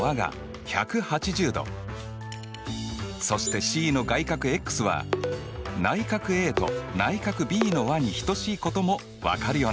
そしてＣの外角ｘは内角ａと内角ｂの和に等しいことも分かるよね。